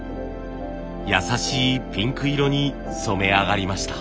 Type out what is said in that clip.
やさしいピンク色に染め上がりました。